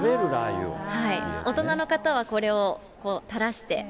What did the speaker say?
大人の方はこれを、これをたらして。